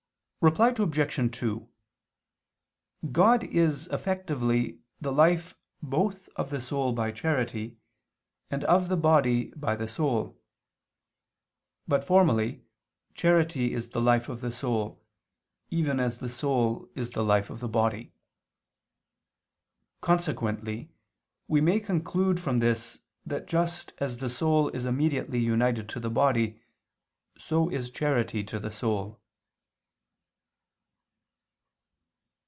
Reply Obj. 2: God is effectively the life both of the soul by charity, and of the body by the soul: but formally charity is the life of the soul, even as the soul is the life of the body. Consequently we may conclude from this that just as the soul is immediately united to the body, so is charity to the soul.